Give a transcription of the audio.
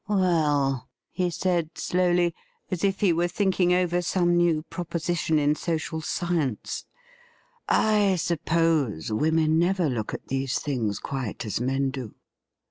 ' Well,' he said slowly, as if he were thinking over some new proposition in social science, ' I suppose women never look at these things quite as men do.'